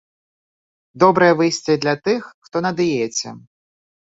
Добрае выйсце для тых, хто на дыеце.